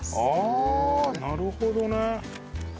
あなるほどね。